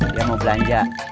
dia mau belanja